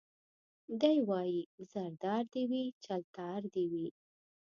دی وايي زردار دي وي چلتار دي وي